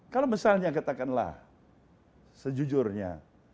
kalau misalnya katakanlah sejujurnya